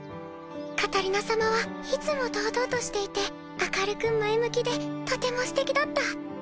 カタリナ様はいつも堂々としていて明るく前向きでとてもすてきだった。